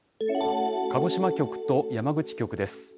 鹿児島局と山口局です。